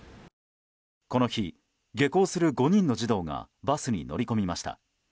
この日、下校する５人の児童がバスに乗り込みました。